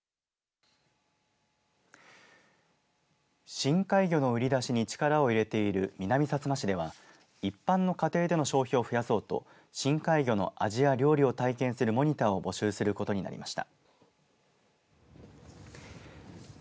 深海魚の売り出しに力を入れている南さつま市では一般の家庭での消費を増やそうと深海魚の味や料理を体験するモニターを募集することになりました。